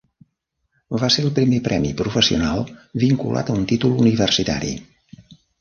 Va ser el primer premi professional vinculat a un títol universitari.